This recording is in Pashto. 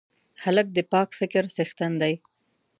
هلک د پاک فکر څښتن دی.